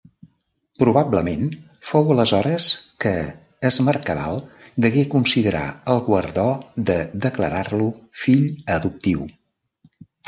Probablement fou aleshores que Es Mercadal degué considerar el guardó de declarar-lo Fill Adoptiu.